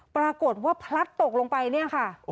ปรากฏว่าพลัดตกลงไปเนี่ยค่ะ